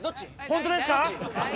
本当ですか？